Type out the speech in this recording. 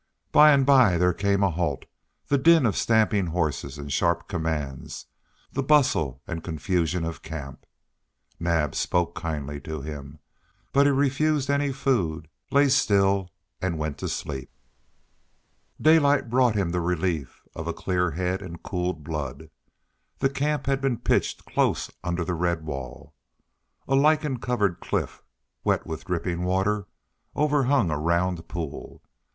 By and by there came a halt, the din of stamping horses and sharp commands, the bustle and confusion of camp. Naab spoke kindly to him, but he refused any food, lay still and went to sleep. Daylight brought him the relief of a clear head and cooled blood. The camp had been pitched close under the red wall. A lichen covered cliff, wet with dripping water, overhung a round pool.